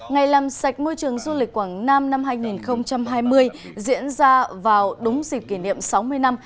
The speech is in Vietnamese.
ngày làm sạch môi trường du lịch quảng nam năm hai nghìn hai mươi diễn ra vào đúng dịp kỷ niệm sáu mươi năm